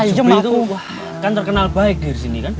ijem itu kan terkenal baik di sini kan